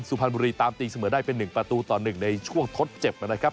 สุพรรณบุรีตามตีเสมอได้เป็น๑ประตูต่อ๑ในช่วงทดเจ็บนะครับ